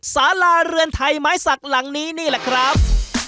สาราเรือนไทยไม้สักหลังนี้นี่แหละครับ